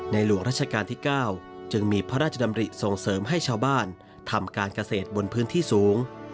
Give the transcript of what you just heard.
หลวงราชการที่๙จึงมีพระราชดำริส่งเสริมให้ชาวบ้านทำการเกษตรบนพื้นที่สูง